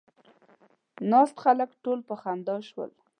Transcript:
ناست خلک ټول په خندا شول.